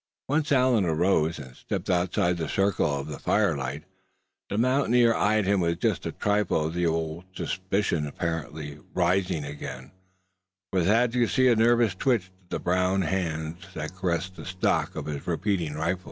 Once Allan arose, and stepped outside the circle of firelight. The mountaineer eyed him with just a trifle of the old suspicion apparently rising again; for Thad could see a nervous twitch to the brown hands that caressed the stock of the repeating rifle.